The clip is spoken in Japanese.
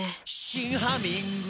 「新ハミング」